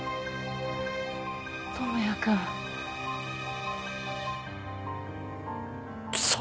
友也くん。